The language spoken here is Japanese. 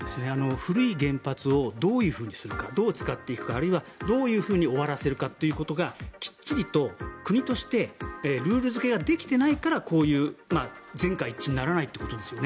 古い原発をどう使っていくかあるいはどういうふうに終わらせるかということがきっちりと国としてルール付けができてないからこういう全会一致にならないということですよね。